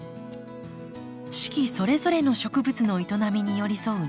四季それぞれの植物の営みに寄り添う庭づくり。